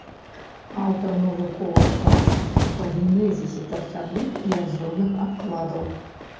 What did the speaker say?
Аўтар навуковых прац па генезісе тарфяных і азёрных адкладаў.